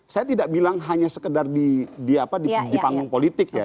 saya tidak bilang hanya sekedar di panggung politik ya